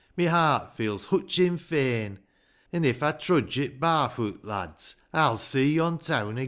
My heart feels hutchin' fain ; An', if I trudge it bar fuut," lads, I'll see yon teawn again